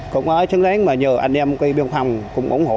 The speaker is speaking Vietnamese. cũng chứng đáng mà nhờ anh em cái biên phòng cũng ủng hộ